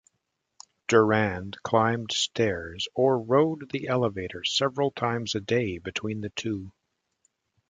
Durand climbed stairs or rode the elevator several times a day between the two.